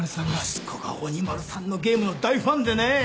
息子が鬼丸さんのゲームの大ファンでね！